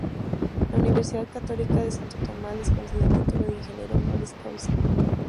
La Universidad Católica de Santo Tomás les concedió el título de "ingeniero honoris causa".